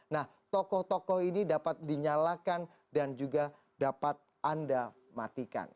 nah tokoh tokoh ini dapat dinyalakan dan juga dapat anda matikan